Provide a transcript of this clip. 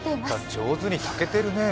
上手に炊けてるね。